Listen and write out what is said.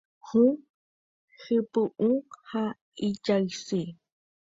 Hũ, hypy'ũ ha ijaysy.